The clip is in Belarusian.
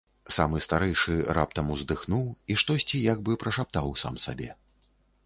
Самы старэйшы раптам уздыхнуў і штосьці як бы прашаптаў сам сабе.